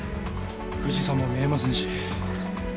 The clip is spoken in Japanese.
富士山も見えませんし。